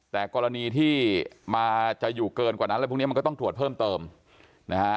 แต่กรณีที่มาจะอยู่เกินกว่านั้นอะไรพวกนี้มันก็ต้องตรวจเพิ่มเติมนะฮะ